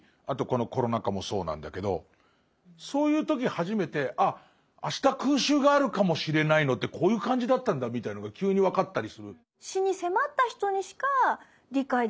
あとこのコロナ禍もそうなんだけどそういう時初めてああ明日空襲があるかもしれないのってこういう感じだったんだみたいのが急に分かったりする。